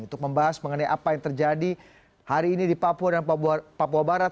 untuk membahas mengenai apa yang terjadi hari ini di papua dan papua barat